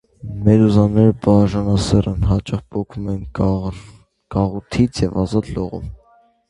Մեդուզաները բաժանասեռ են, հաճախ պոկվում են գաղութից և ազատ լողում։